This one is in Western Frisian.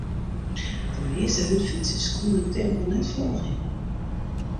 De measte hurdfytsers koene it tempo net folgje.